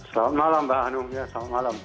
selamat malam mbak anu selamat malam